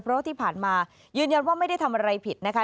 เพราะว่าที่ผ่านมายืนยันว่าไม่ได้ทำอะไรผิดนะคะ